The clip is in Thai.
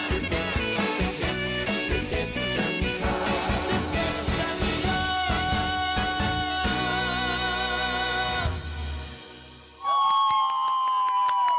จันทรา